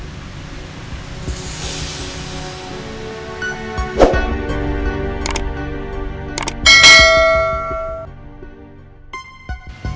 jadi barang pa gw bingung